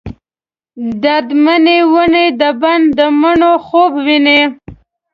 درد منې ونې د بڼ ، دمڼو خوب وویني